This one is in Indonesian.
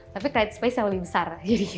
tapi krite space yang lebih besar